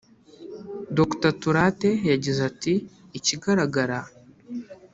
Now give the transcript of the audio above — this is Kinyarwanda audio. Dr Turate yagize ati “Ikigaragara